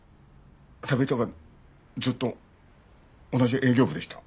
田部井とはずっと同じ営業部でした。